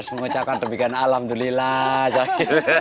saya juga mengucapkan demikian alhamdulillah